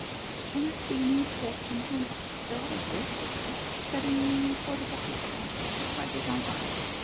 "I cannot see any objection to an officer, although a prisoner, studying fortification," replied the gendarme.